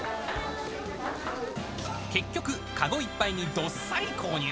結局、籠いっぱいにどっさり購入。